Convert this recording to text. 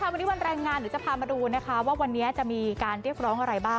วันนี้วันแรงงานเดี๋ยวจะพามาดูนะคะว่าวันนี้จะมีการเรียกร้องอะไรบ้าง